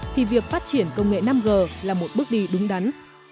thì việc phát triển công nghệ năm g là một bước đi đúng đắn